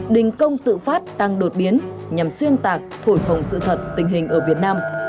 đình công tự phát tăng đột biến nhằm xuyên tạc thổi phồng sự thật tình hình ở việt nam